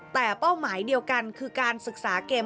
แต่เป้าหมายเดียวกันคือการศึกษาเกม